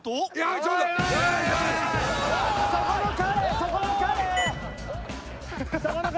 そこの彼！